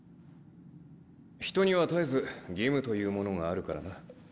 人には絶えず義務というものがあるからな。